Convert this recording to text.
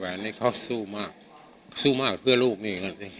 เคยสู้มากเพื่อลูกนิดหน่อย